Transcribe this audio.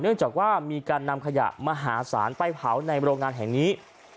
เนื่องจากว่ามีการนำขยะมหาศาลไปเผาในโรงงานแห่งนี้